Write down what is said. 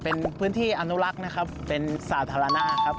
เป็นพื้นที่อนุรักษ์นะครับเป็นสาธารณะครับ